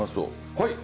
はい。